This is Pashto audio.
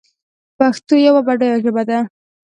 پښتو یوه بډایه ژبه ده